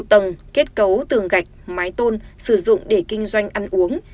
tầng kết cấu tường gạch mái tôn sử dụng để kinh doanh ăn uống